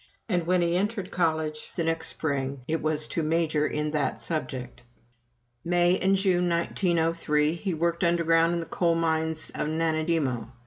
And when he entered college the next spring, it was to "major" in that subject. May and June, 1903, he worked underground in the coal mines of Nanaimo.